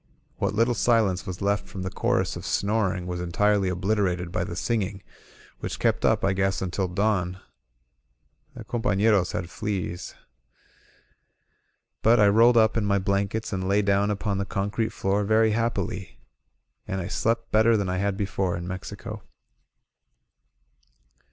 What little silence was left from the chorus of snoring was entirely obliterated by the singing, which kept up, I guess, until dawn. The companeroi had fleas. .•. But I rolled up in my blankets and lay down upon the concrete floor very happily. And I slept better than I had before in Mexico.